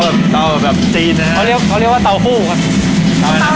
เราก็จะเริ่มจากผัดเส้นก่อน